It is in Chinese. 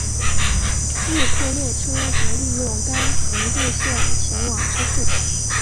入库列车则利用该横渡线前往车库。